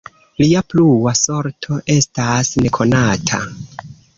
Lia plua sorto estas nekonata.